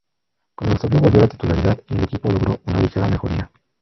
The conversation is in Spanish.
Con Eusebio volvió a la titularidad, y el equipo logró una ligera mejoría.